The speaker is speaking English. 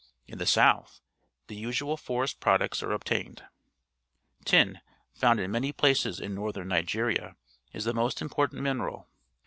In the south the usual forest products are obtained. Tin, found in many places in Northern Nigeria, is the most important mineral.